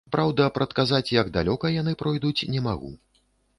Праўда, прадказаць, як далёка яны пройдуць, не магу.